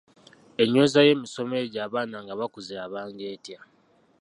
Enyweza y’emisomo egyo abaana nga bakuze yabanga etya?